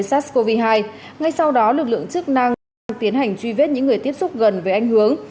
sars cov hai ngay sau đó lực lượng chức năng đang tiến hành truy vết những người tiếp xúc gần với anh hướng